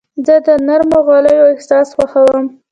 زه د نرمو غالیو احساس خوښوم.